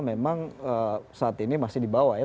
memang saat ini masih di bawah ya